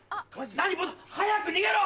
・何早く逃げろ！